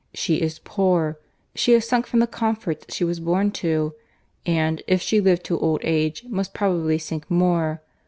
She is poor; she has sunk from the comforts she was born to; and, if she live to old age, must probably sink more.